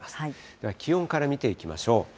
では気温から見ていきましょう。